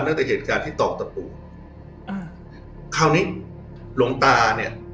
นอกจากเหตุการณ์ที่ต่อตะปุอืมคราวนี้หลวงตาเนี้ย